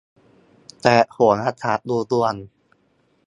แต่โหราศาสตร์ดูดวง